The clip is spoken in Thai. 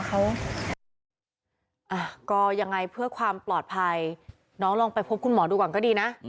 เขาก็ยังไงเพื่อความปลอดภัยน้องลองไปพบคุณหมอดูก่อนก็ดีนะ